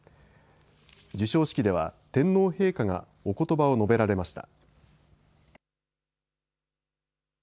授賞式では、天皇陛下がおことばを述べられました。